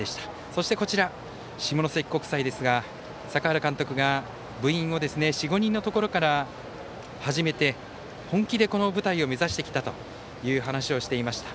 そして、下関国際ですが坂原監督が部員を４５人のところから始めて本気でこの舞台を目指してきたという話をしていました。